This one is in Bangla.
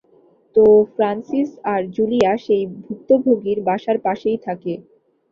তো ফ্রান্সিস আর জুলিয়া সেই ভুক্তভোগীর বাসার পাশেই থাকে।